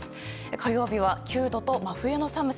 火曜日は９度と真冬の寒さ。